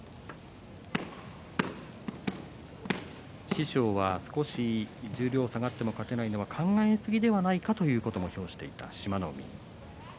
師匠は十両に下がっても勝てないのは考えすぎではないかと話していた志摩ノ海です。